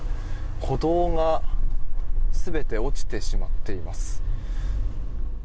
歩道が全て落ちてしまっています。